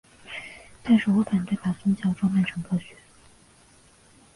但是我反对把宗教装扮成科学。